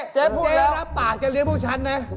เจ๊รับปากจะเลี้ยงพวกฉันนะ